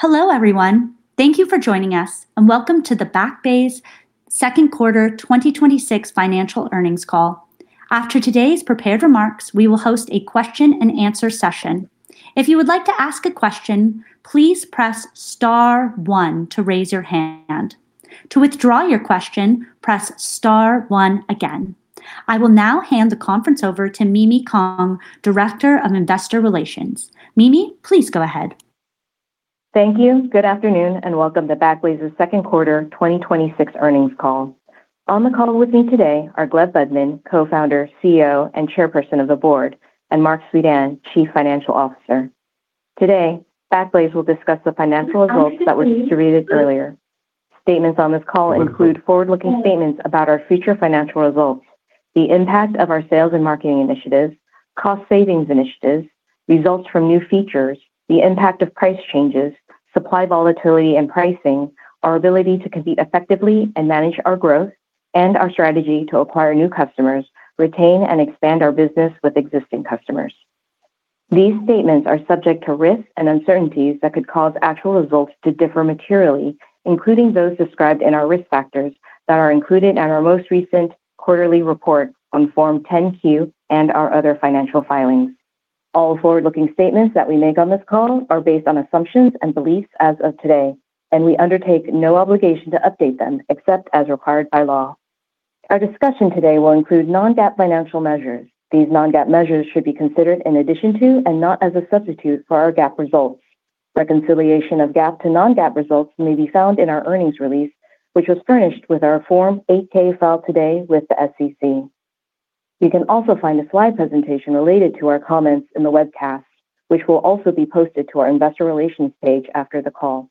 Hello everyone. Thank you for joining us, and welcome to the Backblaze second quarter 2026 financial earnings call. After today's prepared remarks, we will host a question-and-answer session. If you would like to ask a question, please press star one to raise your hand. To withdraw your question, press star one again. I will now hand the conference over to Mimi Kong, Director of Investor Relations. Mimi, please go ahead. Thank you. Good afternoon and welcome to Backblaze's second quarter 2026 earnings call. On the call with me today are Gleb Budman, Co-Founder, CEO, and Chairperson of the Board, and Marc Suidan, Chief Financial Officer. Today, Backblaze will discuss the financial results that were distributed earlier. Statements on this call include forward-looking statements about our future financial results, the impact of our sales and marketing initiatives, cost savings initiatives, results from new features, the impact of price changes, supply volatility in pricing, our ability to compete effectively and manage our growth, and our strategy to acquire new customers, retain and expand our business with existing customers. These statements are subject to risks and uncertainties that could cause actual results to differ materially, including those described in our risk factors that are included in our most recent quarterly report on Form 10-Q and our other financial filings. All forward-looking statements that we make on this call are based on assumptions and beliefs as of today, and we undertake no obligation to update them except as required by law. Our discussion today will include non-GAAP financial measures. These non-GAAP measures should be considered in addition to and not as a substitute for our GAAP results. Reconciliation of GAAP to non-GAAP results may be found in our earnings release, which was furnished with our Form 8-K filed today with the SEC. You can also find a slide presentation related to our comments in the webcast, which will also be posted to our Investor Relations page after the call.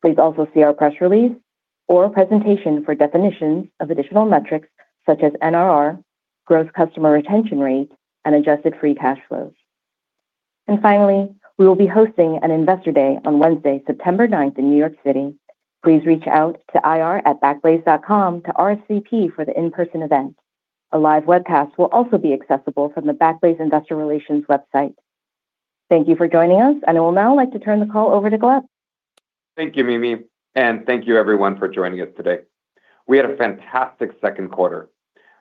Please also see our press release or presentation for definitions of additional metrics such as NRR, gross customer retention rate, and adjusted free cash flows. Finally, we will be hosting an Investor Day on Wednesday, September 9th in New York City. Please reach out to ir@backblaze.com to RSVP for the in-person event. A live webcast will also be accessible from the Backblaze Investor Relations website. Thank you for joining us, and I will now like to turn the call over to Gleb. Thank you, Mimi. Thank you everyone for joining us today. We had a fantastic second quarter.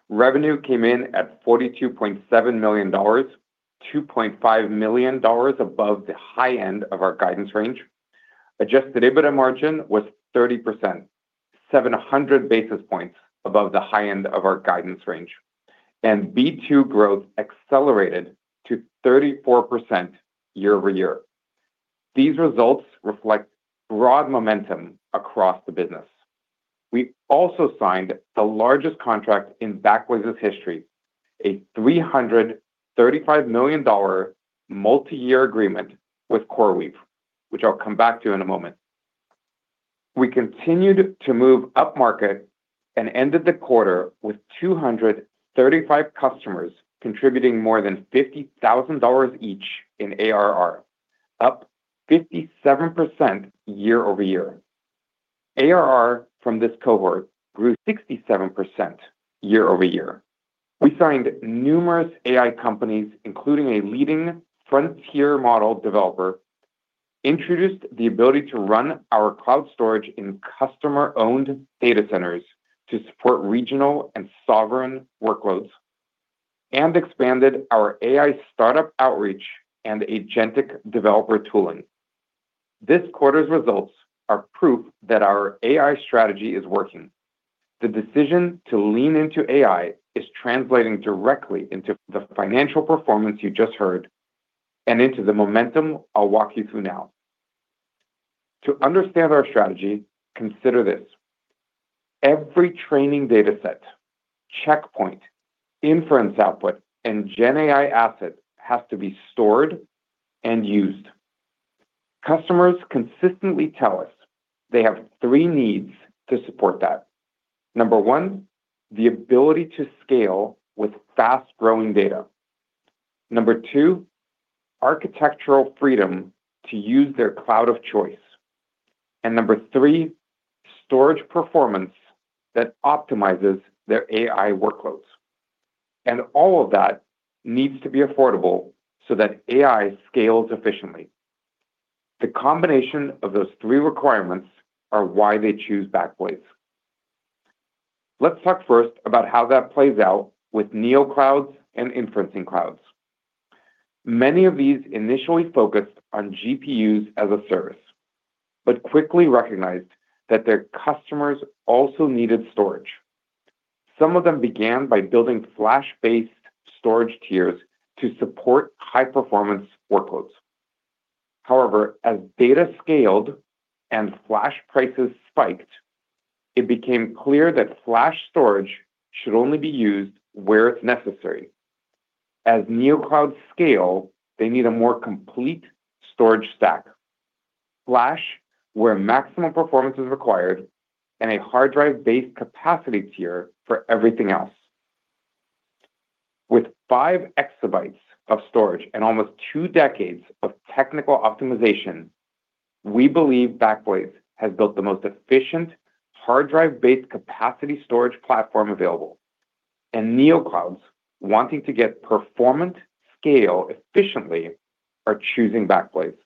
Revenue came in at $42.7 million, $2.5 million above the high end of our guidance range. Adjusted EBITDA margin was 30%, 700 basis points above the high end of our guidance range, and B2 growth accelerated to 34% year-over-year. These results reflect broad momentum across the business. We also signed the largest contract in Backblaze's history, a $335 million multi-year agreement with CoreWeave, which I'll come back to in a moment. We continued to move upmarket and ended the quarter with 235 customers contributing more than $50,000 each in ARR, up 57% year-over-year. ARR from this cohort grew 67% year-over-year. We signed numerous AI companies, including a leading frontier model developer, introduced the ability to run our cloud storage in customer-owned data centers to support regional and sovereign workloads, and expanded our AI startup outreach and agentic developer tooling. This quarter's results are proof that our AI strategy is working. The decision to lean into AI is translating directly into the financial performance you just heard and into the momentum I'll walk you through now. To understand our strategy, consider this. Every training data set, checkpoint, inference output, and GenAI asset has to be stored and used. Customers consistently tell us they have three needs to support that. Number one, the ability to scale with fast-growing data. Number two, architectural freedom to use their cloud of choice. Number three, storage performance that optimizes their AI workloads. All of that needs to be affordable so that AI scales efficiently. The combination of those three requirements are why they choose Backblaze. Let's talk first about how that plays out with neoclouds and inferencing clouds. Many of these initially focused on GPUs as a service, but quickly recognized that their customers also needed storage. Some of them began by building flash-based storage tiers to support high-performance workloads. However, as data scaled and flash prices spiked, it became clear that flash storage should only be used where it's necessary. As neoclouds scale, they need a more complete storage stack. Flash where maximum performance is required, and a hard drive-based capacity tier for everything else. With five exabytes of storage and almost two decades of technical optimization, we believe Backblaze has built the most efficient hard drive-based capacity storage platform available. Neoclouds wanting to get performant scale efficiently are choosing Backblaze.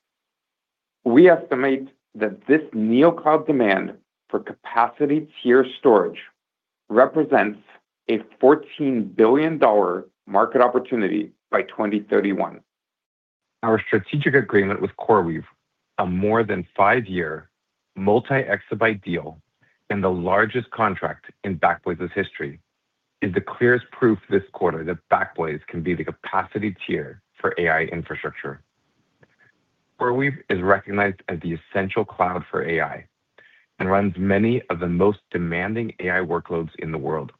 We estimate that this neocloud demand for capacity tier storage represents a $14 billion market opportunity by 2031. Our strategic agreement with CoreWeave, a more than five-year multi-exabyte deal and the largest contract in Backblaze's history, is the clearest proof this quarter that Backblaze can be the capacity tier for AI infrastructure. CoreWeave is recognized as the essential cloud for AI and runs many of the most demanding AI workloads in the world.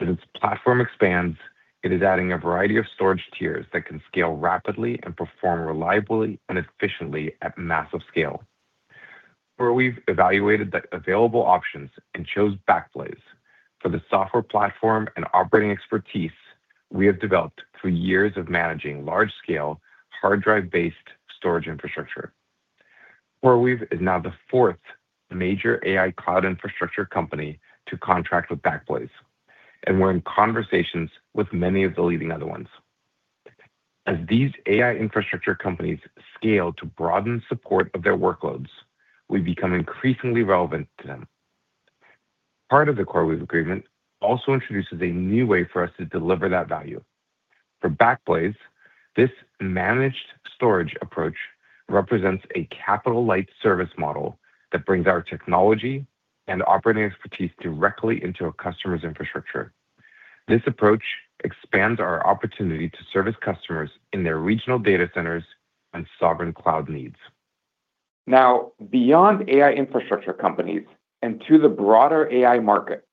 As its platform expands, it is adding a variety of storage tiers that can scale rapidly and perform reliably and efficiently at massive scale. CoreWeave evaluated the available options and chose Backblaze for the software platform and operating expertise we have developed through years of managing large-scale hard drive-based storage infrastructure. CoreWeave is now the fourth major AI cloud infrastructure company to contract with Backblaze. We're in conversations with many of the leading other ones. As these AI infrastructure companies scale to broaden support of their workloads, we become increasingly relevant to them. Part of the CoreWeave agreement also introduces a new way for us to deliver that value. For Backblaze, this managed storage approach represents a capital-light service model that brings our technology and operating expertise directly into a customer's infrastructure. This approach expands our opportunity to service customers in their regional data centers and sovereign cloud needs. Beyond AI infrastructure companies and to the broader AI market,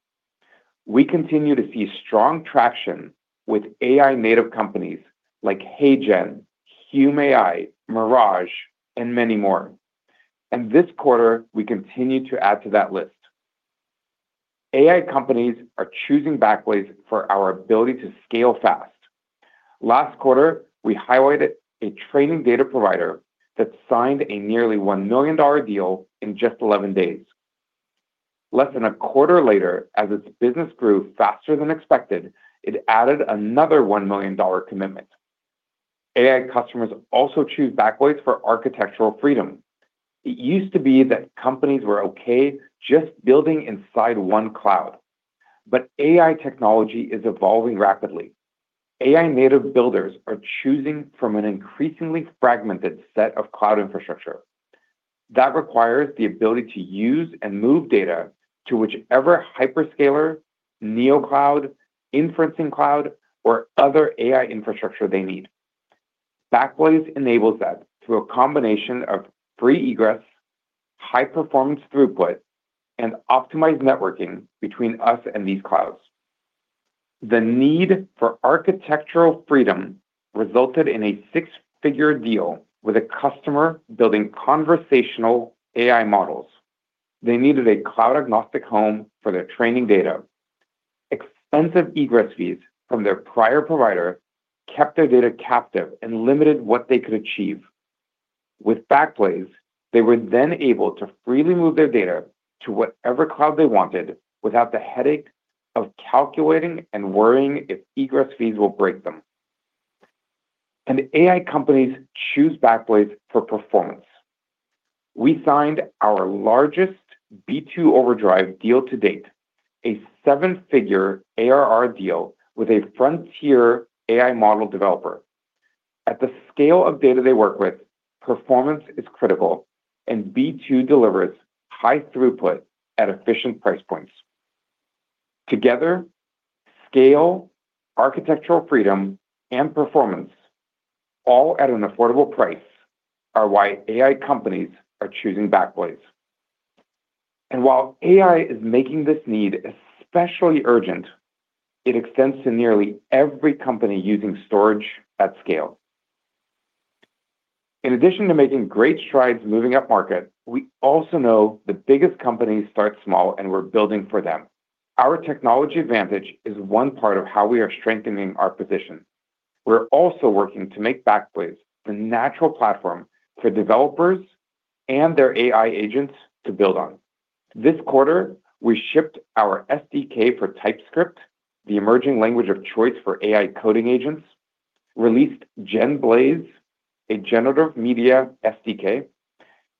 we continue to see strong traction with AI-native companies like HeyGen, Hume AI, Mirage AI, and many more. This quarter, we continue to add to that list. AI companies are choosing Backblaze for our ability to scale fast. Last quarter, we highlighted a training data provider that signed a nearly $1 million deal in just 11 days. Less than a quarter later, as its business grew faster than expected, it added another $1 million commitment. AI customers also choose Backblaze for architectural freedom. It used to be that companies were okay just building inside one cloud, but AI technology is evolving rapidly. AI-native builders are choosing from an increasingly fragmented set of cloud infrastructure that requires the ability to use and move data to whichever hyperscaler, neocloud, inferencing cloud, or other AI infrastructure they need. Backblaze enables that through a combination of free egress, high-performance throughput, and optimized networking between us and these clouds. The need for architectural freedom resulted in a six-figure deal with a customer building conversational AI models. They needed a cloud-agnostic home for their training data. Expensive egress fees from their prior provider kept their data captive and limited what they could achieve. With Backblaze, they were then able to freely move their data to whatever cloud they wanted without the headache of calculating and worrying if egress fees will break them. AI companies choose Backblaze for performance. We signed our largest B2 Overdrive deal to date, a seven-figure ARR deal with a frontier AI model developer. At the scale of data they work with, performance is critical, and B2 delivers high throughput at efficient price points. Together, scale, architectural freedom, and performance, all at an affordable price, are why AI companies are choosing Backblaze. While AI is making this need especially urgent, it extends to nearly every company using storage at scale. In addition to making great strides moving upmarket, we also know the biggest companies start small, and we're building for them. Our technology advantage is one part of how we are strengthening our position. We're also working to make Backblaze the natural platform for developers and their AI agents to build on. This quarter, we shipped our SDK for TypeScript, the emerging language of choice for AI coding agents; released Genblaze, a generative media SDK;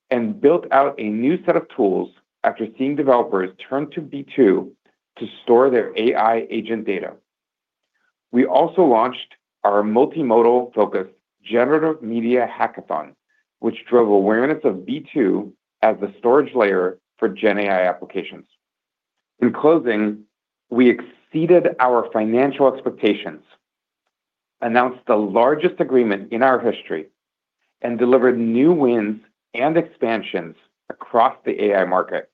and built out a new set of tools after seeing developers turn to B2 to store their AI agent data. We also launched our multimodal-focused generative media hackathon, which drove awareness of B2 as the storage layer for GenAI applications. In closing, we exceeded our financial expectations, announced the largest agreement in our history, and delivered new wins and expansions across the AI market,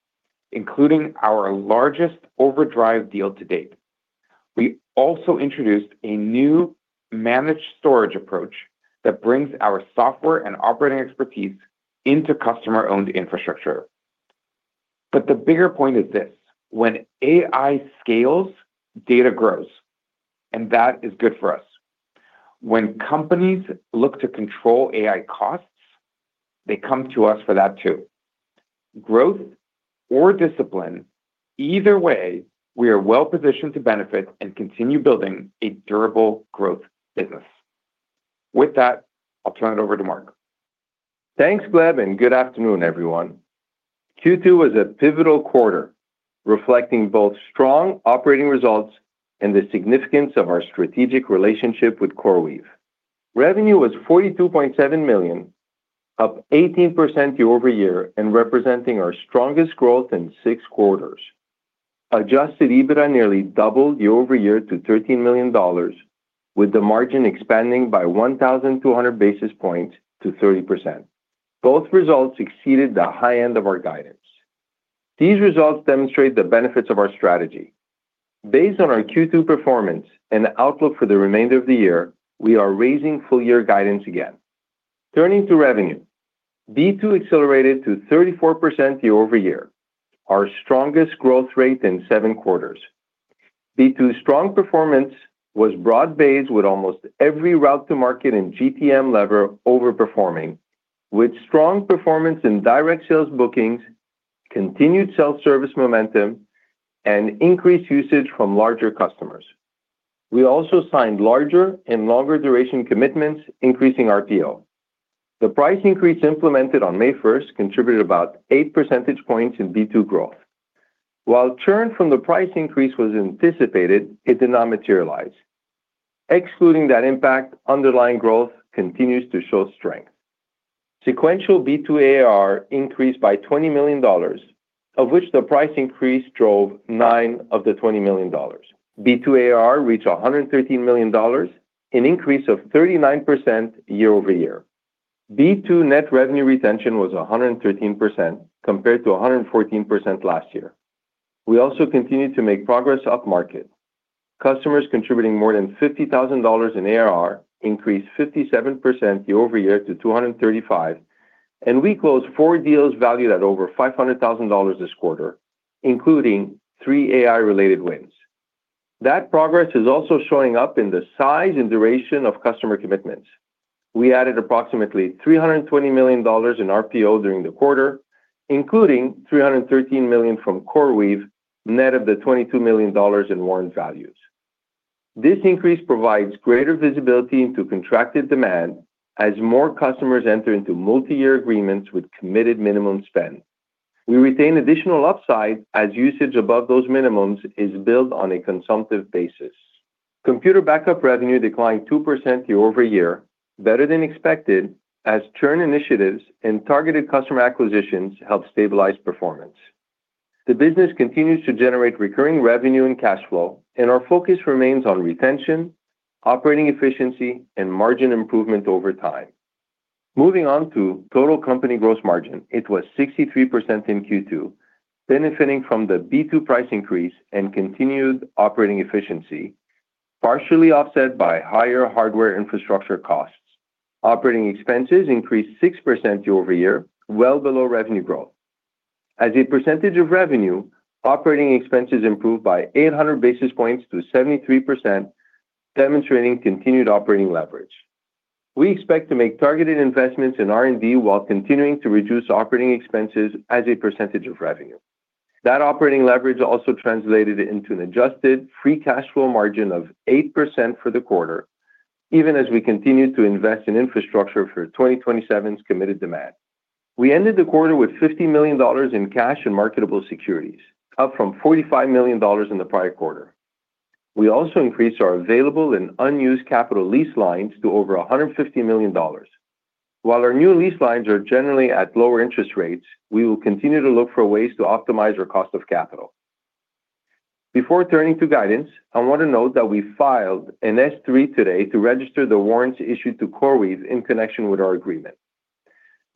including our largest B2 Overdrive deal to date. We also introduced a new managed storage approach that brings our software and operating expertise into customer-owned infrastructure. The bigger point is this—when AI scales, data grows, and that is good for us. When companies look to control AI costs, they come to us for that too. Growth or discipline, either way, we are well positioned to benefit and continue building a durable growth business. With that, I'll turn it over to Marc. Thanks, Gleb. Good afternoon, everyone. Q2 was a pivotal quarter, reflecting both strong operating results and the significance of our strategic relationship with CoreWeave. Revenue was $42.7 million, up 18% year-over-year, and representing our strongest growth in six quarters. Adjusted EBITDA nearly doubled year-over-year to $13 million, with the margin expanding by 1,200 basis points to 30%. Both results exceeded the high end of our guidance. These results demonstrate the benefits of our strategy. Based on our Q2 performance and the outlook for the remainder of the year, we are raising full-year guidance again. Turning to revenue. B2 accelerated to 34% year-over-year, our strongest growth rate in seven quarters. B2's strong performance was broad-based with almost every route-to-market and GTM lever over-performing, with strong performance in direct sales bookings, continued self-service momentum, and increased usage from larger customers. We also signed larger and longer duration commitments, increasing RPO. The price increase implemented on May 1st contributed about 8 percentage points in B2 growth. While churn from the price increase was anticipated, it did not materialize. Excluding that impact, underlying growth continues to show strength. Sequential B2 ARR increased by $20 million, of which the price increase drove $9 million of the $20 million. B2 ARR reached $113 million, an increase of 39% year-over-year. B2 net revenue retention was 113%, compared to 114% last year. We also continued to make progress up market. Customers contributing more than $50,000 in ARR increased 57% year-over-year to 235, and we closed four deals valued at over $500,000 this quarter, including three AI-related wins. That progress is also showing up in the size and duration of customer commitments. We added approximately $320 million in RPO during the quarter, including $313 million from CoreWeave, net of the $22 million in warrant values. This increase provides greater visibility into contracted demand as more customers enter into multi-year agreements with committed minimum spend. We retain additional upside as usage above those minimums is billed on a consumptive basis. Computer Backup revenue declined 2% year-over-year, better than expected, as churn initiatives and targeted customer acquisitions helped stabilize performance. The business continues to generate recurring revenue and cash flow, and our focus remains on retention, operating efficiency, and margin improvement over time. Moving on to total company gross margin. It was 63% in Q2, benefiting from the B2 price increase and continued operating efficiency, partially offset by higher hardware infrastructure costs. Operating expenses increased 6% year-over-year, well below revenue growth. As a percentage of revenue, operating expenses improved by 800 basis points to 73%, demonstrating continued operating leverage. We expect to make targeted investments in R&D while continuing to reduce operating expenses as a percentage of revenue. That operating leverage also translated into an adjusted free cash flow margin of 8% for the quarter, even as we continued to invest in infrastructure for 2027's committed demand. We ended the quarter with $50 million in cash and marketable securities, up from $45 million in the prior quarter. We also increased our available and unused capital lease lines to over $150 million. While our new lease lines are generally at lower interest rates, we will continue to look for ways to optimize our cost of capital. Before turning to guidance, I want to note that we filed an S3 today to register the warrants issued to CoreWeave in connection with our agreement.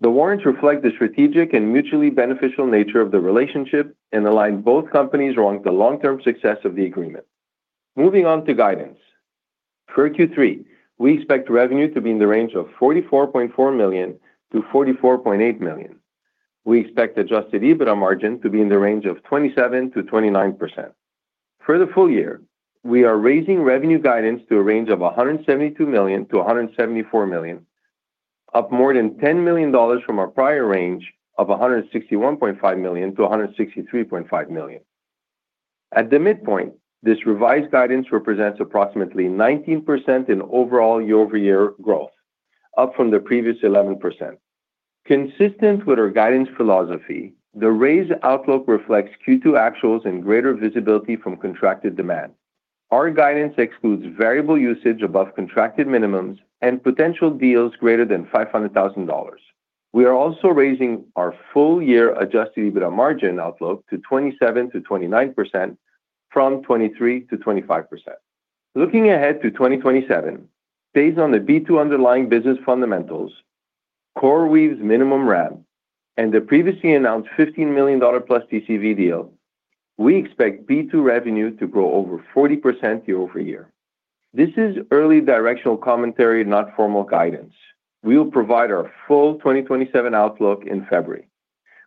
The warrants reflect the strategic and mutually beneficial nature of the relationship and align both companies around the long-term success of the agreement. Moving on to guidance. For Q3, we expect revenue to be in the range of $44.4 million-$44.8 million. We expect Adjusted EBITDA margin to be in the range of 27%-29%. For the full year, we are raising revenue guidance to a range of $172 million-$174 million, up more than $10 million from our prior range of $161.5 million-$163.5 million. At the midpoint, this revised guidance represents approximately 19% in overall year-over-year growth, up from the previous 11%. Consistent with our guidance philosophy, the raised outlook reflects Q2 actuals and greater visibility from contracted demand. Our guidance excludes variable usage above contracted minimums and potential deals greater than $500,000. We are also raising our full-year Adjusted EBITDA margin outlook to 27%-29% from 23%-25%. Looking ahead to 2027, based on the B2 underlying business fundamentals, CoreWeave's minimum RAB, and the previously announced $15+ million TCV deal, we expect B2 revenue to grow over 40% year-over-year. This is early directional commentary, not formal guidance. We will provide our full 2027 outlook in February.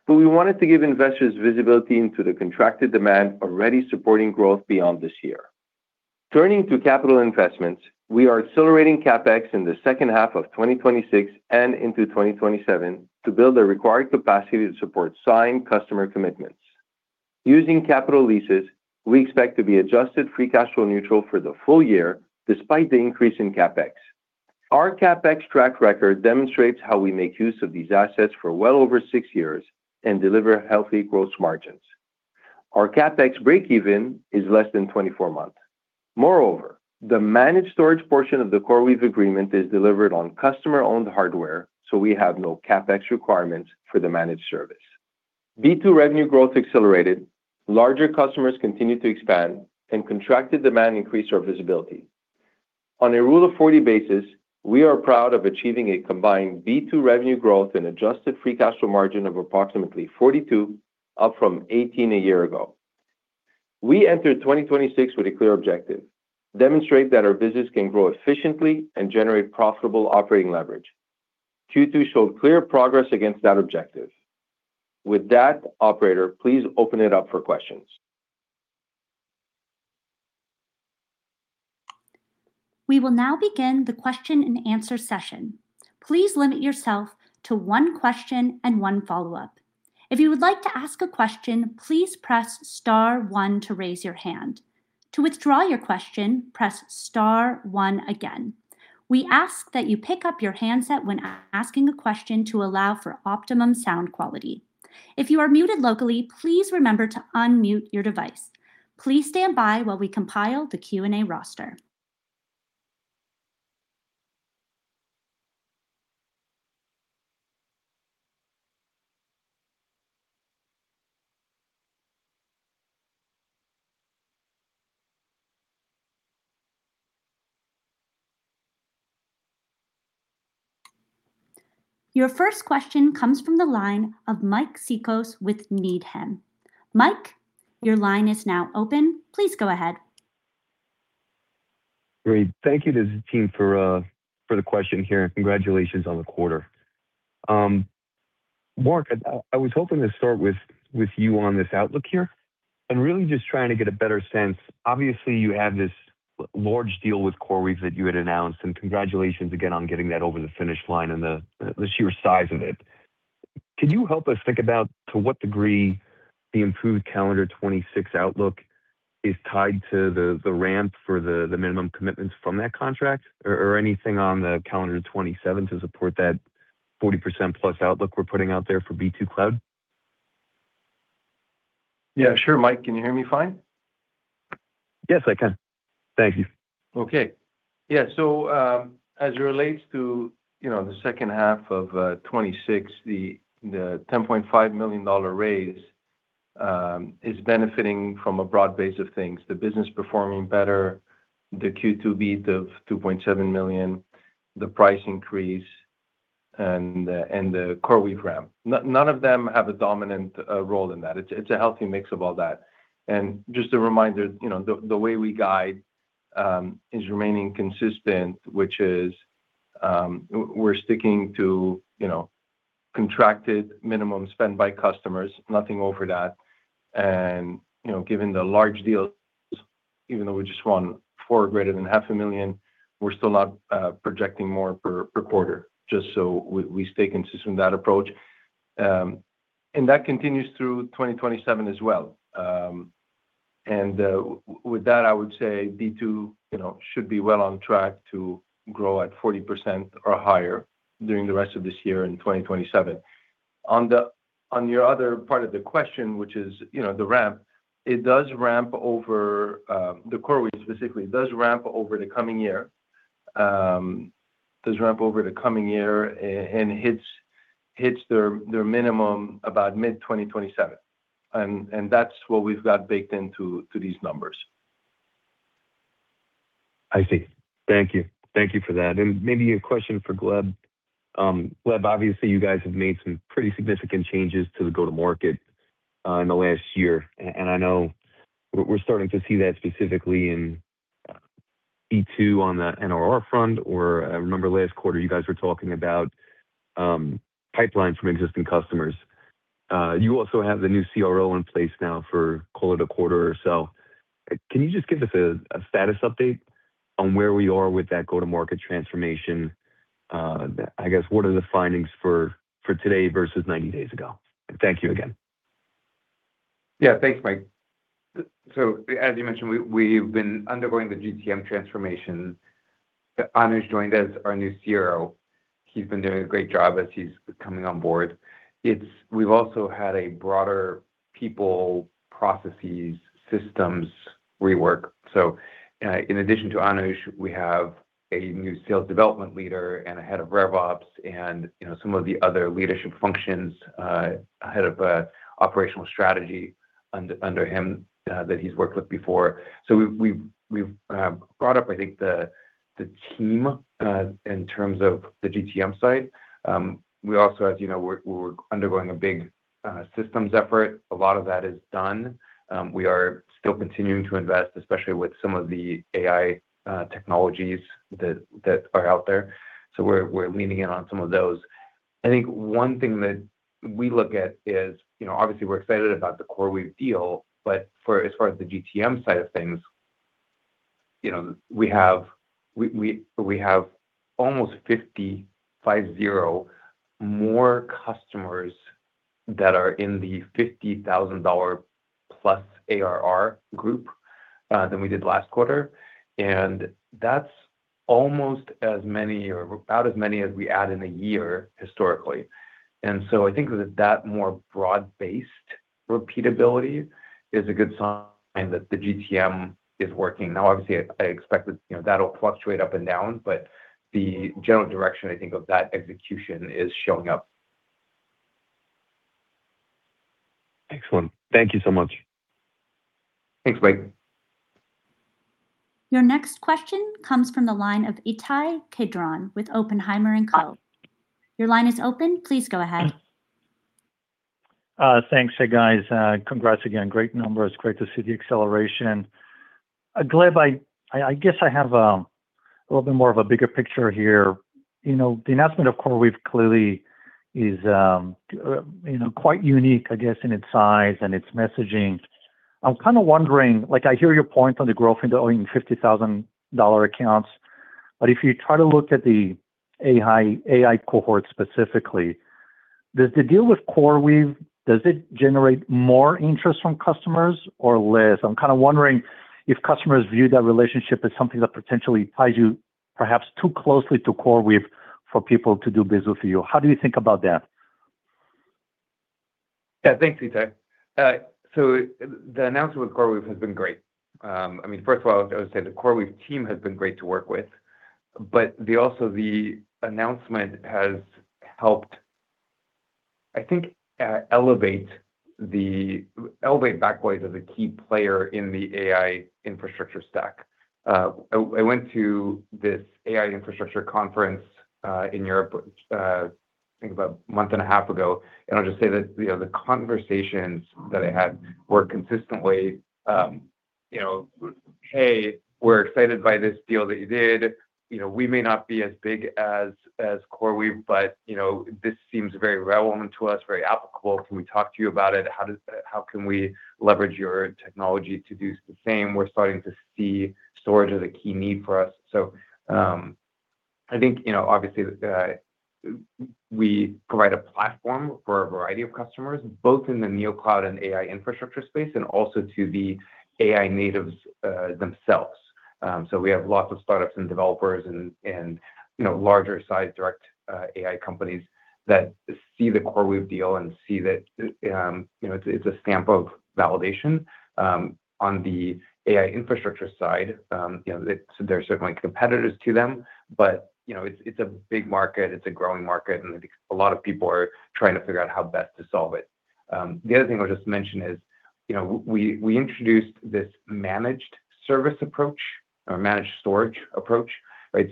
We wanted to give investors visibility into the contracted demand already supporting growth beyond this year. Turning to capital investments, we are accelerating CapEx in the second half of 2026 and into 2027 to build the required capacity to support signed customer commitments. Using capital leases, we expect to be adjusted free cash flow neutral for the full year, despite the increase in CapEx. Our CapEx track record demonstrates how we make use of these assets for well over six years and deliver healthy growth margins. Our CapEx breakeven is less than 24 months. Moreover, the managed storage portion of the CoreWeave agreement is delivered on customer-owned hardware, so we have no CapEx requirements for the managed service. B2 revenue growth accelerated, larger customers continued to expand, and contracted demand increased our visibility. On a Rule of 40 basis, we are proud of achieving a combined B2 revenue growth and adjusted free cash flow margin of approximately 42%, up from 18% a year ago. We entered 2026 with a clear objective—demonstrate that our business can grow efficiently and generate profitable operating leverage. Q2 showed clear progress against that objective. With that, operator, please open it up for questions. We will now begin the question-and-answer session. Please limit yourself to one question and one follow-up. If you would like to ask a question, please press star one to raise your hand. To withdraw your question, press star one again. We ask that you pick up your handset when asking a question to allow for optimum sound quality. If you are muted locally, please remember to unmute your device. Please stand by while we compile the Q&A roster. Your first question comes from the line of Mike Cikos with Needham. Mike, your line is now open. Please go ahead. Great. Thank you to the team for the question here. Congratulations on the quarter. Marc, I was hoping to start with you on this outlook here and really just trying to get a better sense. Obviously, you have this large deal with CoreWeave that you had announced, and congratulations again on getting that over the finish line and the sheer size of it. Can you help us think about to what degree the improved calendar 2026 outlook is tied to the ramp for the minimum commitments from that contract or anything on the calendar 2027 to support that 40%+ outlook we're putting out there for B2 Cloud? Sure. Mike, can you hear me fine? Yes, I can. Thank you. As it relates to the second half of 2026, the $10.5 million raise is benefiting from a broad base of things, the business performing better, the Q2 beat of $2.7 million, the price increase, and the CoreWeave ramp. None of them have a dominant role in that. It's a healthy mix of all that. Just a reminder, the way we guide is remaining consistent, which is, we're sticking to contracted minimum spend by customers, nothing over that. Given the large deals, even though we just won four greater than $500,000, we're still not projecting more per quarter, just so we stay consistent in that approach. That continues through 2027 as well. With that, I would say B2 should be well on track to grow at 40% or higher during the rest of this year in 2027. On your other part of the question, which is the ramp, the CoreWeave specifically, does ramp over the coming year and hits their minimum about mid-2027. That's what we've got baked into these numbers. I see. Thank you for that. Maybe a question for Gleb. Gleb, obviously, you guys have made some pretty significant changes to the go-to-market in the last year, and I know we're starting to see that specifically in B2 on the NRR front. I remember last quarter you guys were talking about pipelines from existing customers. You also have the new CRO in place now for call it a quarter or so. Can you just give us a status update on where we are with that go-to-market transformation? I guess what are the findings for today versus 90 days ago? Thank you again. Thanks, Mike. As you mentioned, we've been undergoing the GTM transformation. Anuj joined as our new CRO. He's been doing a great job as he's coming on board. We've also had a broader people, processes, systems rework. In addition to Anuj, we have a new sales development leader and a head of RevOps and some of the other leadership functions, a head of operational strategy under him that he's worked with before. We've brought up, I think, the team in terms of the GTM side. As you know, we're undergoing a big systems effort. A lot of that is done. We are still continuing to invest, especially with some of the AI technologies that are out there, we're leaning in on some of those. One thing that we look at is, obviously we're excited about the CoreWeave deal, but as far as the GTM side of things, we have almost 50 more customers that are in the $50,000+ ARR group than we did last quarter. That's almost as many, or about as many as we add in a year historically. So that more broad-based repeatability is a good sign that the GTM is working. Now, obviously, I expect that'll fluctuate up and down, but the general direction of that execution is showing up. Excellent. Thank you so much. Thanks, Mike. Your next question comes from the line of Ittai Kidron with Oppenheimer & Co. Your line is open. Please go ahead. Thanks. Hey, guys. Congrats again, great numbers. Great to see the acceleration. Gleb, I guess I have a little bit more of a bigger picture here. The announcement of CoreWeave clearly is quite unique, I guess, in its size and its messaging. I'm kind of wondering, I hear your point on the growth into owning $50,000 accounts, but if you try to look at the AI cohort specifically, does the deal with CoreWeave generate more interest from customers or less? I'm kind of wondering if customers view that relationship as something that potentially ties you perhaps too closely to CoreWeave for people to do business with you. How do you think about that? Thanks, Ittai. The announcement with CoreWeave has been great. First of all, I would say the CoreWeave team has been great to work with, but also the announcement has helped, I think, elevate Backblaze as a key player in the AI infrastructure stack. I went to this AI infrastructure conference in Europe, I think about a month and a half ago, and I'll just say that the conversations that I had were consistently, hey, we're excited by this deal that you did. We may not be as big as CoreWeave, but this seems very relevant to us, very applicable. Can we talk to you about it? How can we leverage your technology to do the same? We're starting to see storage as a key need for us. I think, obviously we provide a platform for a variety of customers, both in the neocloud and AI infrastructure space, and also to the AI natives themselves. We have lots of startups and developers and larger size direct AI companies that see the CoreWeave deal and see that it's a stamp of validation on the AI infrastructure side. There's certainly competitors to them, but it's a big market, it's a growing market, and I think a lot of people are trying to figure out how best to solve it. The other thing I'll just mention is we introduced this managed service approach or managed storage approach. We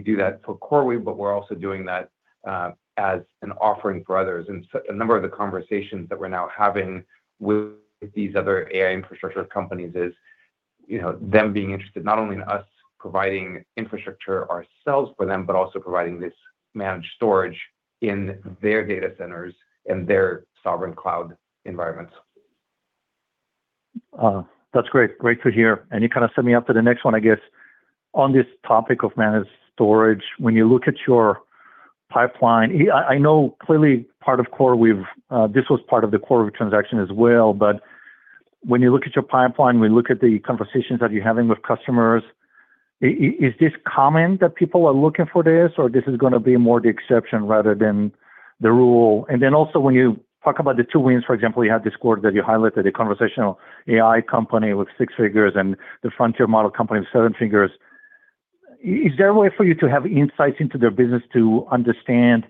do that for CoreWeave, but we're also doing that as an offering for others. A number of the conversations that we're now having with these other AI infrastructure companies is them being interested not only in us providing infrastructure ourselves for them, but also providing this managed storage in their data centers and their sovereign cloud environments. That's great. Great to hear. You kind of set me up for the next one, I guess. On this topic of managed storage, when you look at your pipeline, I know clearly this was part of the CoreWeave transaction as well, but when you look at your pipeline, when you look at the conversations that you're having with customers, is this common that people are looking for this, or this is going to be more the exception rather than the rule? Also, you talk about the two wins, for example, you had this quarter that you highlighted, a conversational AI company with six figures and the frontier model company with seven figures. Is there a way for you to have insights into their business to understand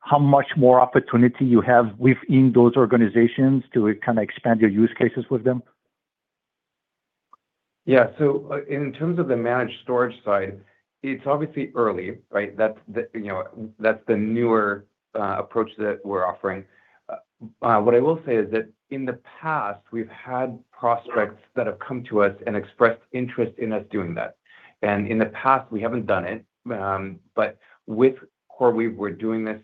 how much more opportunity you have within those organizations to expand your use cases with them? In terms of the managed storage side, it's obviously early. That's the newer approach that we're offering. What I will say is that in the past, we've had prospects that have come to us and expressed interest in us doing that. In the past, we haven't done it, but with CoreWeave, we're doing this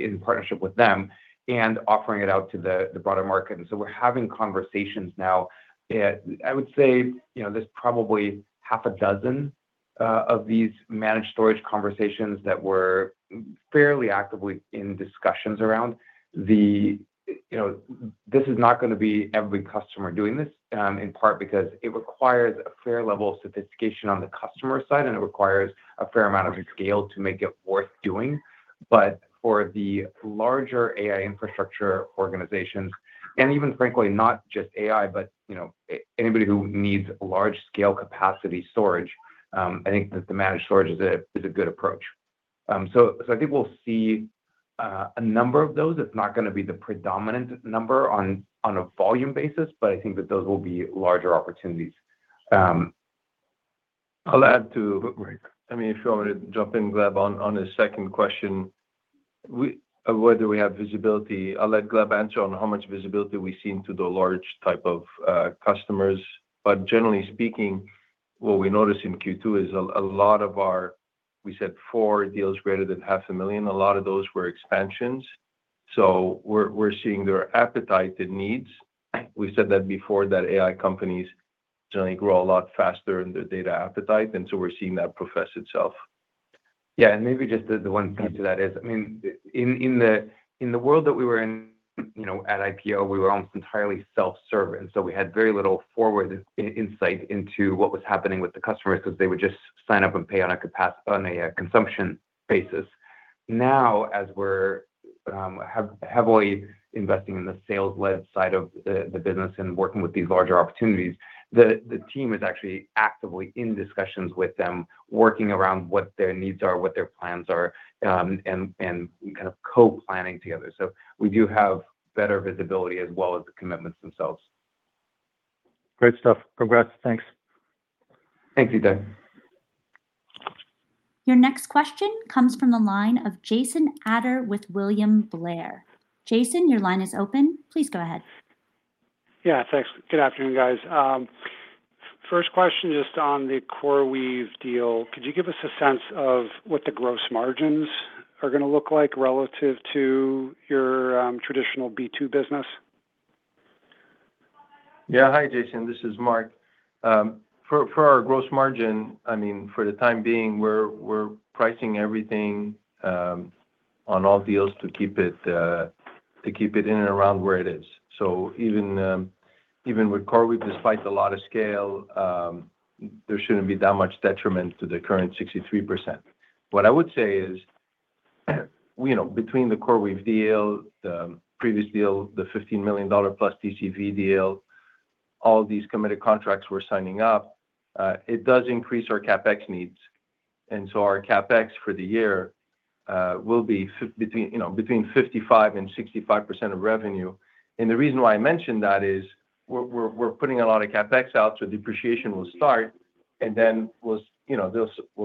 in partnership with them and offering it out to the broader market. We're having conversations now. I would say, there's probably half a dozen of these managed storage conversations that we're fairly actively in discussions around. This is not going to be every customer doing this, in part because it requires a fair level of sophistication on the customer side, and it requires a fair amount of scale to make it worth doing. For the larger AI infrastructure organizations, even frankly, not just AI, but anybody who needs large-scale capacity storage, I think that the managed storage is a good approach. I think we'll see a number of those. It's not going to be the predominant number on a volume basis, but I think that those will be larger opportunities. I'll add too. If you want me to jump in, Gleb, on his second question. Where do we have visibility? I'll let Gleb answer on how much visibility we see into the large type of customers. Generally speaking, what we notice in Q2 is a lot of our, we said four deals greater than $500,000, a lot of those were expansions. We're seeing their appetite, the needs. We've said that before, that AI companies generally grow a lot faster in their data appetite, we're seeing that profess itself. Maybe just the one piece to that is, in the world that we were in at IPO, we were almost entirely self-serve. We had very little forward insight into what was happening with the customers, because they would just sign up and pay on a consumption basis. Now, as we're heavily investing in the sales led side of the business and working with these larger opportunities, the team is actually actively in discussions with them, working around what their needs are, what their plans are, and kind of co-planning together. We do have better visibility as well as the commitments themselves. Great stuff, progress. Thanks. Thanks, Ittai. Your next question comes from the line of Jason Ader with William Blair. Jason, your line is open. Please go ahead. Thanks. Good afternoon, guys. First question just on the CoreWeave deal. Could you give us a sense of what the gross margins are going to look like relative to your traditional B2 business? Hi, Jason. This is Marc. For our gross margin, for the time being, we're pricing everything on all deals to keep it in and around where it is. Even with CoreWeave, despite the lot of scale, there shouldn't be that much detriment to the current 63%. What I would say is, between the CoreWeave deal, the previous deal, the $15+ million TCV deal, all these committed contracts we're signing up, it does increase our CapEx needs. Our CapEx for the year will be between 55%-65% of revenue. The reason why I mention that is we're putting a lot of CapEx out, so depreciation will start, and then we'll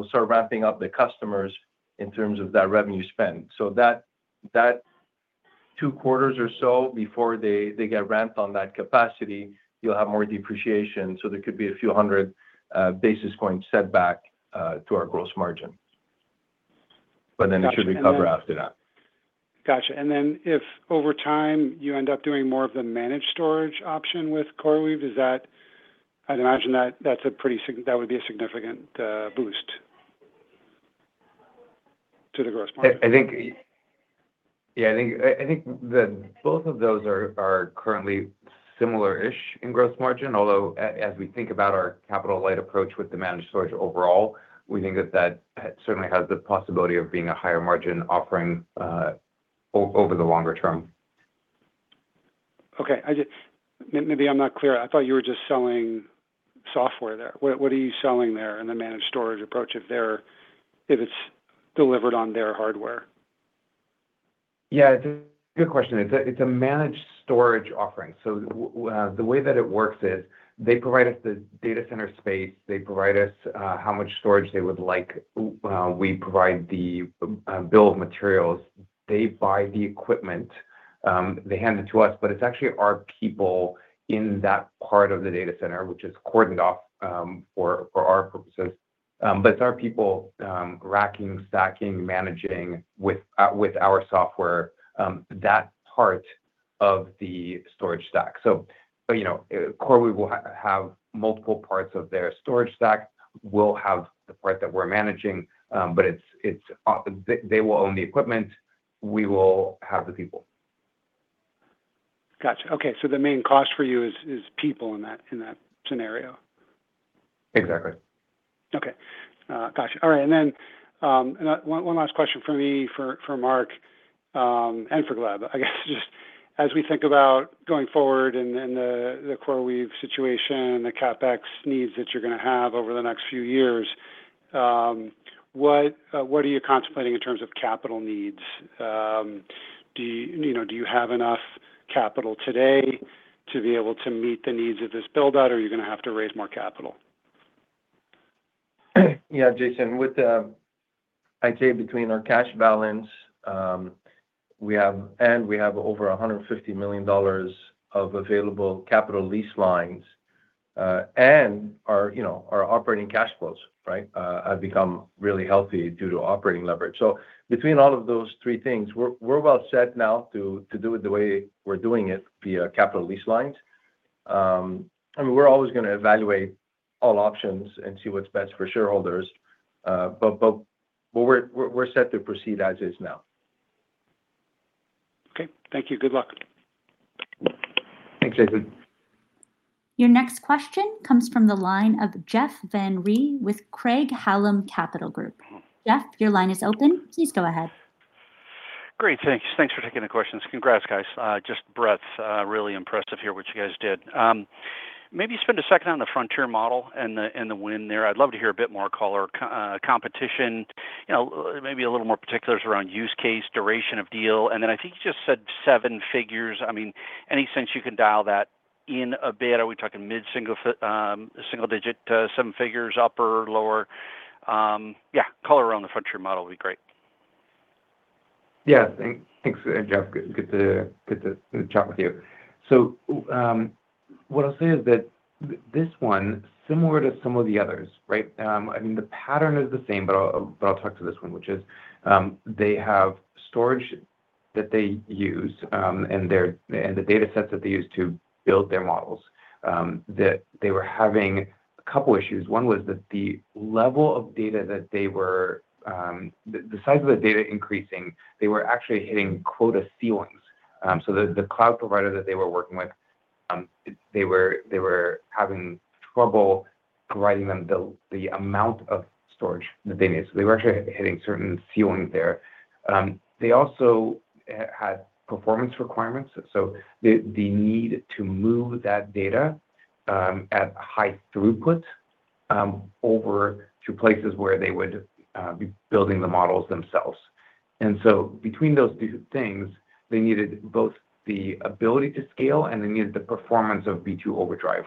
start ramping up the customers in terms of that revenue spend. That two quarters or so before they get ramped on that capacity, you'll have more depreciation. There could be a few hundred basis points setback to our gross margin. But it should recover after that. Got you. If over time you end up doing more of the managed storage option with CoreWeave, I'd imagine that would be a significant boost to the gross margin. I think that both of those are currently similar-ish in gross margin. Although, as we think about our capital-light approach with the managed storage overall, we think that certainly has the possibility of being a higher margin offering over the longer term. Maybe I'm not clear. I thought you were just selling software there. What are you selling there in the managed storage approach if it's delivered on their hardware? Good question. It's a managed storage offering. The way that it works is they provide us the data center space. They provide us how much storage they would like. We provide the build materials. They buy the equipment. They hand it to us, but it's actually our people in that part of the data center, which is cordoned off for our purposes. It's our people racking, stacking, managing with our software that part of the storage stack. CoreWeave will have multiple parts of their storage stack. We'll have the part that we're managing. They will own the equipment, we will have the people. Got you. The main cost for you is people in that scenario? Exactly. Got you. One last question from me for Marc and for Gleb. I guess just as we think about going forward and the CoreWeave situation and the CapEx needs that you're going to have over the next few years, what are you contemplating in terms of capital needs? Do you have enough capital today to be able to meet the needs of this build-out, or are you going to have to raise more capital? Jason, I'd say between our cash balance, we have over $150 million of available capital lease lines, and our operating cash flows have become really healthy due to operating leverage. Between all of those three things, we're well set now to do it the way we're doing it via capital lease lines. We're always going to evaluate all options and see what's best for shareholders. We're set to proceed as is now. Thank you. Good luck. Thanks, Jason. Your next question comes from the line of Jeff Van Rhee with Craig-Hallum Capital Group. Jeff, your line is open. Please go ahead. Great. Thanks for taking the questions. Congrats, guys. Just breadth, really impressive to hear what you guys did. Maybe spend a second on the frontier model and the win there. I'd love to hear a bit more color, competition, maybe a little more particulars around use case, duration of deal, and then I think you just said seven figures. Any sense you can dial that in a bit, are we talking mid-single digit, seven figures, upper, lower? Color around the frontier model would be great. Thanks, Jeff. Good to chat with you. What I'll say is that this one, similar to some of the others, the pattern is the same, but I'll talk to this one, which is, they have storage that they use, and the data sets that they use to build their models, that they were having a couple issues. One was that the size of the data increasing, they were actually hitting quota ceilings. The cloud provider that they were working with, they were having trouble providing them the amount of storage that they needed. They were actually hitting certain ceilings there. They also had performance requirements, the need to move that data at high throughput, over to places where they would be building the models themselves. Between those two things, they needed both the ability to scale and they needed the performance of B2 Overdrive.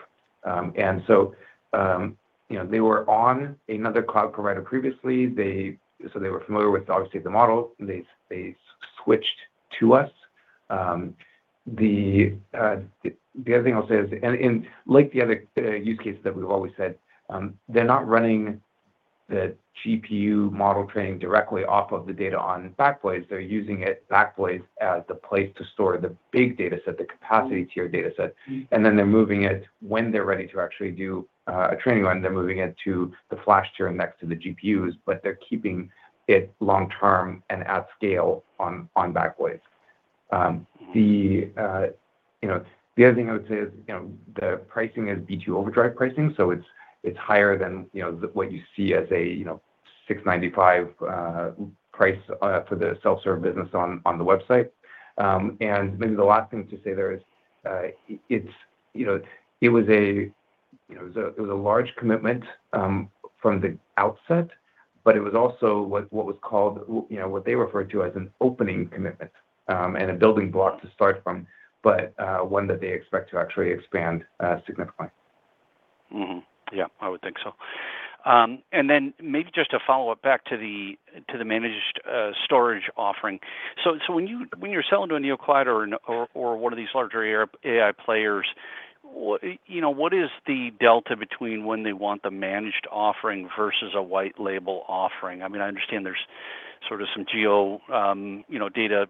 They were on another cloud provider previously, so they were familiar with obviously the model. They switched to us. The other thing I'll say is, and like the other use cases that we've always said, they're not running the GPU model training directly off of the data on Backblaze. They're using Backblaze as the place to store the big data set, the capacity tier data set, and then they're moving it when they're ready to actually do a training run. They're moving it to the flash tier next to the GPUs, but they're keeping it long-term and at scale on Backblaze. The other thing I would say is, the pricing is B2 Overdrive pricing, so it's higher than what you see as a $695 price for the self-serve business on the website. Maybe the last thing to say there is, it was a large commitment from the outset, but it was also what they referred to as an opening commitment, and a building block to start from, but one that they expect to actually expand significantly. I would think so. Maybe just to follow up back to the managed storage offering. When you're selling to a neocloud or one of these larger AI players, what is the delta between when they want the managed offering versus a white label offering? I understand there's some geo data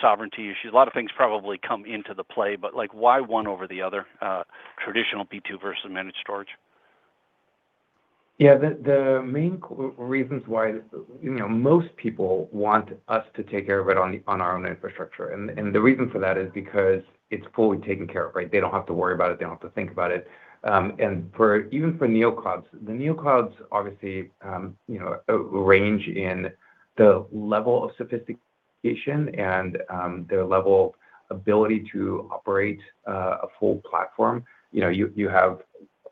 sovereignty issues. A lot of things probably come into the play, but why one over the other, traditional B2 versus managed storage? The main reasons why most people want us to take care of it on our own infrastructure is because it's fully taken care of. They don't have to worry about it, they don't have to think about it. Even for neoclouds, the neoclouds obviously range in the level of sophistication and their level of ability to operate a full platform. You have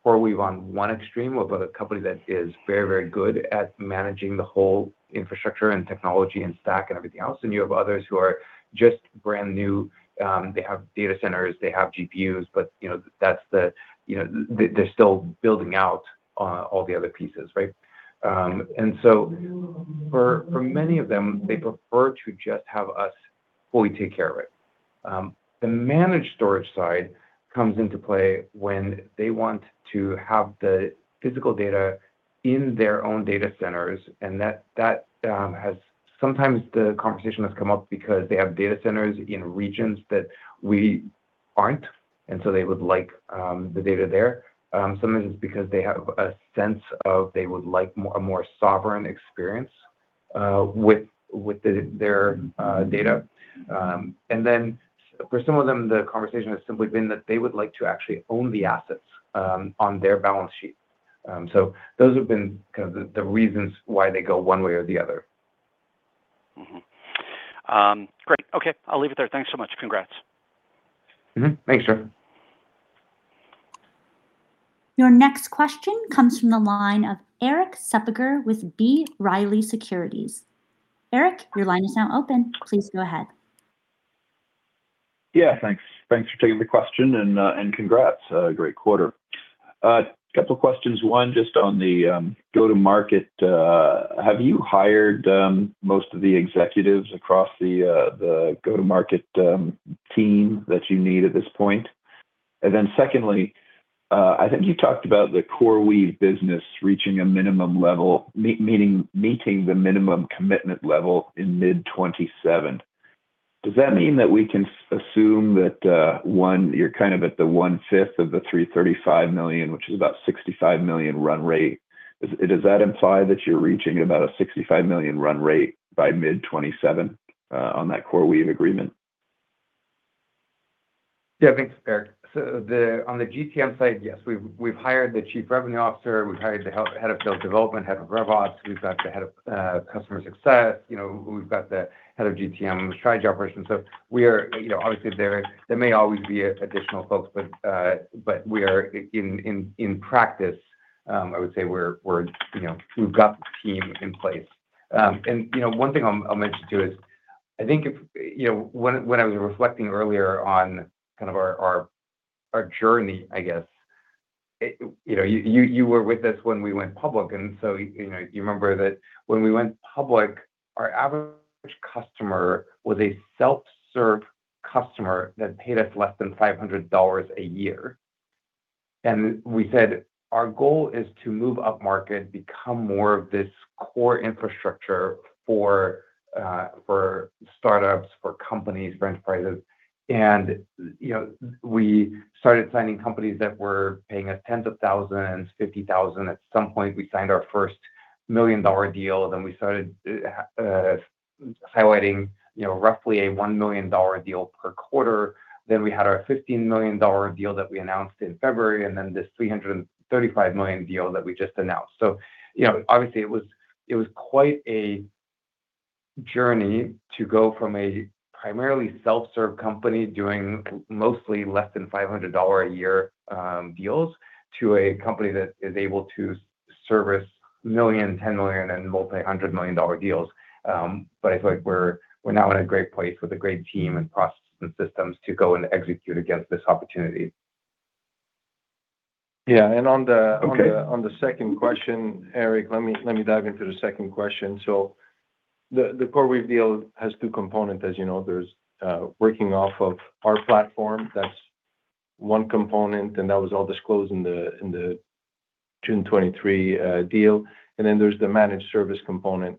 CoreWeave on one extreme of a company that is very, very good at managing the whole infrastructure and technology and stack and everything else. You have others who are just brand new. They have data centers, they have GPUs, but they're still building out all the other pieces. For many of them, they prefer to just have us fully take care of it. The managed storage side comes into play when they want to have the physical data in their own data centers, sometimes the conversation has come up because they have data centers in regions that we aren't, so they would like the data there. Sometimes it's because they have a sense of they would like a more sovereign experience with their data. Then for some of them, the conversation has simply been that they would like to actually own the assets on their balance sheet. Those have been the reasons why they go one way or the other. Great. I'll leave it there. Thanks so much. Congrats. Thanks, Jeff. Your next question comes from the line of Erik Suppiger with B. Riley Securities. Erik, your line is now open. Please go ahead. Thanks for taking the question and congrats. Great quarter. A couple questions. One, just on the go-to-market. Have you hired most of the executives across the go-to-market team that you need at this point? Secondly, I think you talked about the CoreWeave business meeting the minimum commitment level in mid-2027. Does that mean that we can assume that, one, you're at the one-fifth of the $335 million, which is about $65 million run rate? Does that imply that you're reaching about a $65 million run rate by mid-2027 on that CoreWeave agreement? Thanks, Erik. On the GTM side, yes, we've hired the chief revenue officer, we've hired the head of field development, head of RevOps, we've got the head of customer success. We've got the head of GTM strategy operations. Obviously there may always be additional folks, but we are in practice, I would say we've got the team in place. One thing I'll mention, too, is I think when I was reflecting earlier on kind of our journey, I guess, you were with us when we went public, you remember that when we went public, our average customer was a self-serve customer that paid us less than $500 a year. We said our goal is to move upmarket, become more of this core infrastructure for startups, for companies, for enterprises. We started signing companies that were paying us tens of thousands, $50,000. At some point, we signed our first million-dollar deal. We started highlighting roughly a $1 million deal per quarter. We had our $15 million deal that we announced in February, this $335 million deal that we just announced. Obviously, it was quite a journey to go from a primarily self-serve company doing mostly less than $500 a year deals, to a company that is able to service $1 million, $10 million, and multi $100 million deals. I feel like we're now in a great place with a great team and processes and systems to go and execute against this opportunity. Erik, let me dive into the second question. The CoreWeave deal has two components, as you know. There's working off of our platform, that's one component, and that was all disclosed in the June 23 deal. There's the managed service component.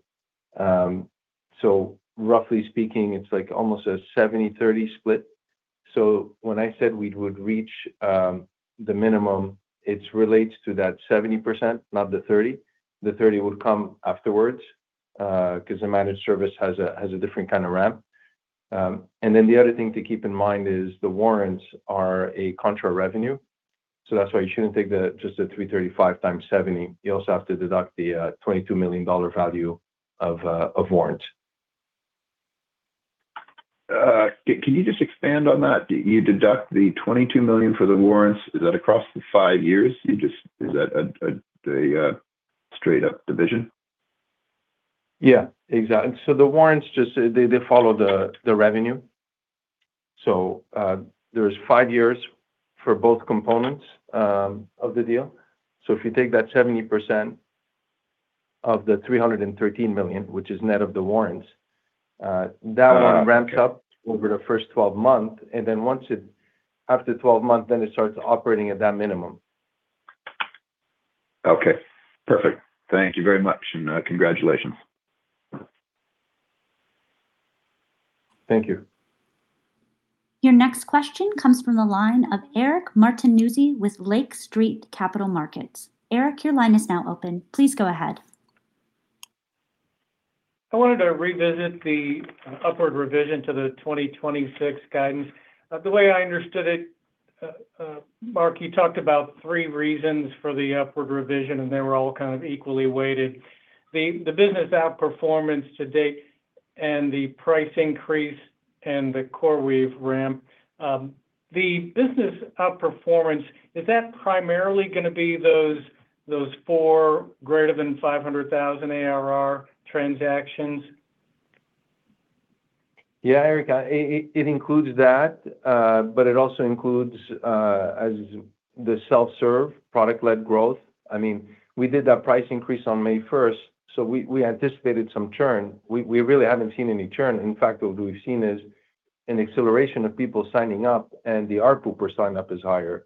Roughly speaking, it's almost a 70/30 split. When I said we would reach the minimum, it relates to that 70%, not the 30%. The 30% would come afterwards, because the managed service has a different kind of ramp. The other thing to keep in mind is the warrants are a contra revenue, so that's why you shouldn't take just the $335 million times 70%. You also have to deduct the $22 million value of warrants. Can you just expand on that? Do you deduct the $22 million for the warrants? Is that across the five years? Is that a straight-up division? Exactly. The warrants just follow the revenue. There's five years for both components of the deal. If you take that 70% of the $313 million, which is net of the warrants, that one ramps up over the first 12 months, after 12 months, it starts operating at that minimum. Perfect. Thank you very much, and congratulations. Thank you. Your next question comes from the line of Eric Martinuzzi with Lake Street Capital Markets. Eric, your line is now open. Please go ahead. I wanted to revisit the upward revision to the 2026 guidance. The way I understood it, Marc, you talked about three reasons for the upward revision. They were all kind of equally weighted. The business outperformance to date, the price increase and the CoreWeave ramp. The business outperformance, is that primarily going to be those four greater than $500,000 ARR transactions? Eric, it includes that. It also includes the self-serve product-led growth. We did that price increase on May 1st. We anticipated some churn. We really haven't seen any churn. In fact, what we've seen is an acceleration of people signing up. The ARPU per sign-up is higher.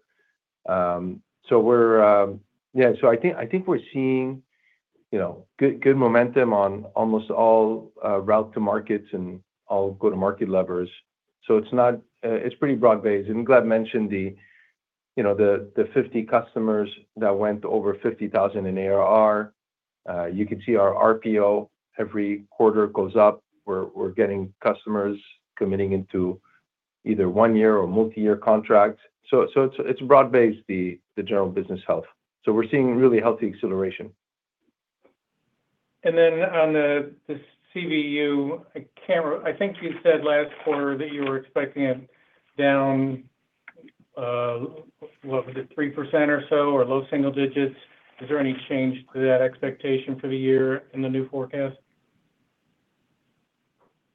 I think we're seeing good momentum on almost all route-to-markets and all go-to-market levers. It's pretty broad-based, and Gleb mentioned the 50 customers that went over $50,000 in ARR. You can see our RPO every quarter goes up. We're getting customers committing into either one-year or multi-year contracts. It's broad-based, the general business health. We're seeing really healthy acceleration. On the CBU, I can't remember. I think you said last quarter that you were expecting it down, what was it? 3% or so, or low single-digits. Is there any change to that expectation for the year in the new forecast?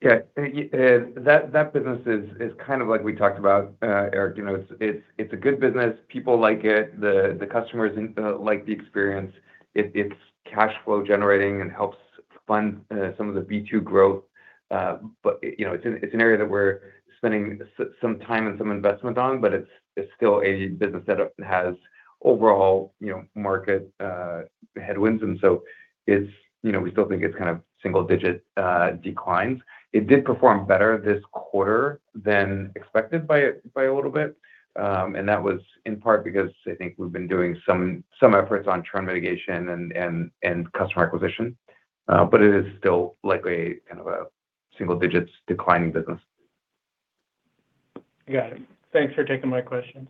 That business is kind of like we talked about, Eric. It's a good business. People like it. The customers like the experience. It's cash flow generating and helps fund some of the B2 growth. It's an area that we're spending some time and some investment on, but it's still a business that has overall market headwinds in. We still think it's kind of single-digit declines. It did perform better this quarter than expected by a little bit. That was in part because I think we've been doing some efforts on churn mitigation and customer acquisition. It is still likely kind of a single-digits declining business. Got it. Thanks for taking my questions.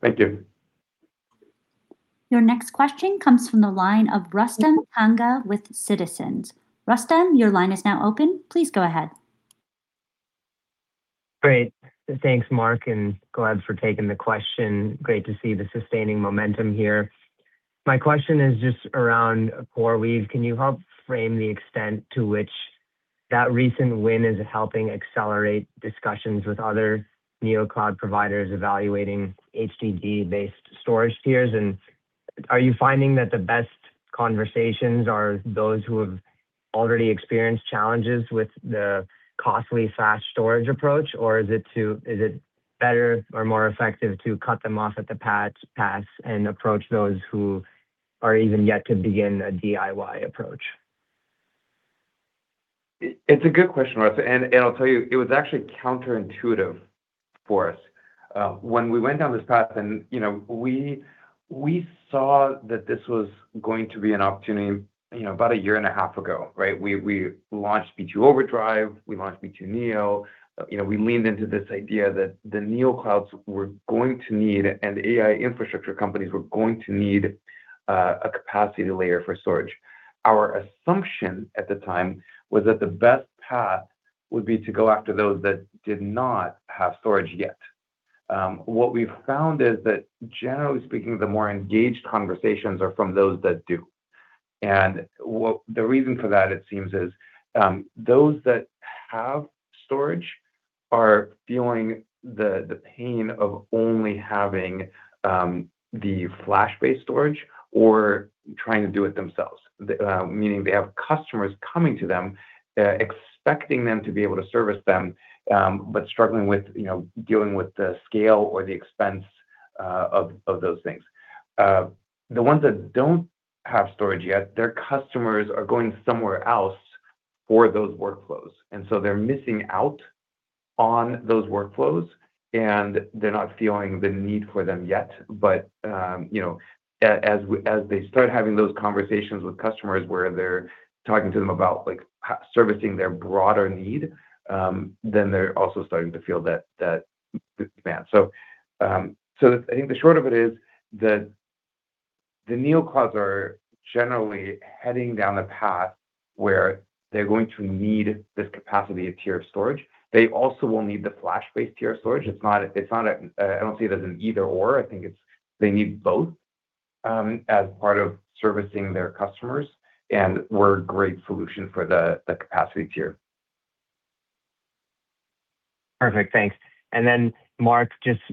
Thank you. Your next question comes from the line of Rustam Kanga with Citizens. Rustam, your line is now open. Please go ahead. Great. Thanks, Marc, and Gleb for taking the question. Great to see the sustaining momentum here. My question is just around CoreWeave. Can you help frame the extent to which that recent win is helping accelerate discussions with other neocloud providers evaluating HDD-based storage tiers? Are you finding that the best conversations are those who have already experienced challenges with the costly flash storage approach, or is it better or more effective to cut them off at the pass and approach those who are even yet to begin a DIY approach? It's a good question, Rustam, and I'll tell you, it was actually counterintuitive for us. When we went down this path and we saw that this was going to be an opportunity about a year and a half ago. We launched B2 Overdrive, we launched B2 Neo. We leaned into this idea that the neoclouds were going to need, and AI infrastructure companies were going to need, a capacity layer for storage. Our assumption at the time was that the best path would be to go after those that did not have storage yet. What we've found is that generally speaking, the more engaged conversations are from those that do. The reason for that, it seems is, those that have storage are feeling the pain of only having the flash-based storage or trying to do it themselves. Meaning they have customers coming to them, expecting them to be able to service them, but struggling with dealing with the scale or the expense of those things. The ones that don't have storage yet, their customers are going somewhere else for those workflows, they're missing out on those workflows, and they're not feeling the need for them yet. As they start having those conversations with customers where they're talking to them about servicing their broader need, then they're also starting to feel that demand. I think the short of it is that the neoclouds are generally heading down a path where they're going to need this capacity of tier of storage. They also will need the flash-based tier storage. I don't see it as an either/or. I think they need both as part of servicing their customers, and we're a great solution for the capacity tier. Perfect. Thanks. Then Marc,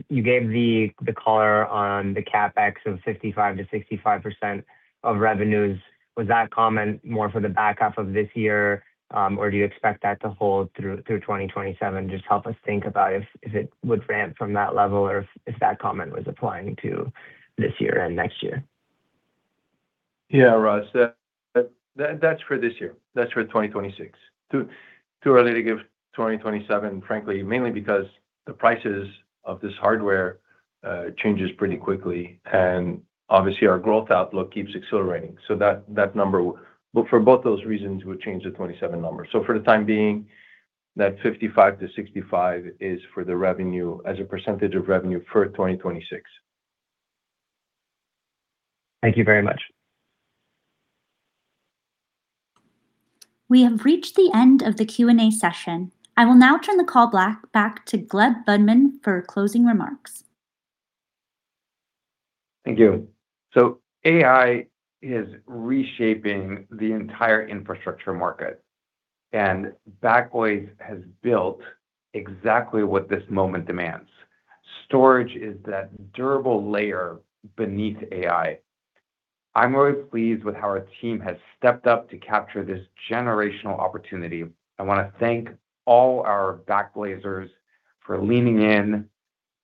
you gave the color on the CapEx of 55%-65% of revenues. Was that comment more for the back half of this year, or do you expect that to hold through 2027? Just help us think about if it would ramp from that level or if that comment was applying to this year and next year. Rustam, that's for this year. That's for 2026. Too early to give 2027, frankly, mainly because the prices of this hardware changes pretty quickly, and obviously our growth outlook keeps accelerating. That number, for both those reasons, would change the 2027 numbers. For the time being, that 55%-65% is for the revenue as a percentage of revenue for 2026. Thank you very much. We have reached the end of the Q&A session. I will now turn the call back to Gleb Budman for closing remarks. Thank you. AI is reshaping the entire infrastructure market, and Backblaze has built exactly what this moment demands. Storage is that durable layer beneath AI. I'm really pleased with how our team has stepped up to capture this generational opportunity. I want to thank all our Backblazers for leaning in,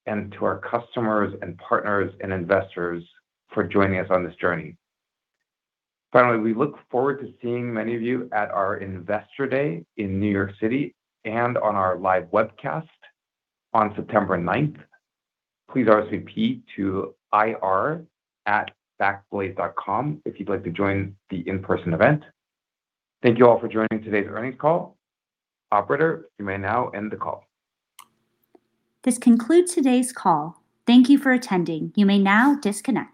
and to our customers and partners and investors for joining us on this journey. Finally, we look forward to seeing many of you at our Investor Day in New York City and on our live webcast on September 9th. Please RSVP to ir@backblaze.com if you'd like to join the in-person event. Thank you all for joining today's earnings call. Operator, you may now end the call. This concludes today's call. Thank you for attending. You may now disconnect.